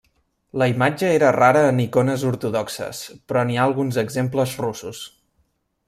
La imatge era rara en icones ortodoxes, però n'hi ha alguns exemples russos.